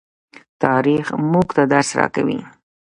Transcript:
تاریخ موږ ته درس راکوي.